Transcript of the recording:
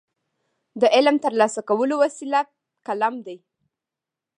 د علم ترلاسه کولو وسیله قلم دی.